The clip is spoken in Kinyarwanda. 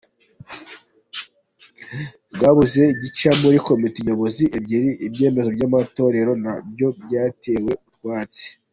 Rwabuze gica muri Komite Nyobozi ebyiri, ibyemezo byamatorero na byo byatewe utwatsi